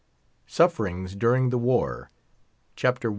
SUFFERINGS DURING THE WAR. Chapter T.